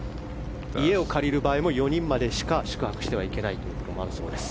家を借りる場合も４人までしか宿泊してはいけないところもあるそうです。